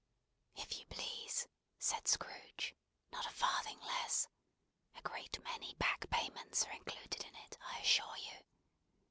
"If you please," said Scrooge. "Not a farthing less. A great many back payments are included in it, I assure you.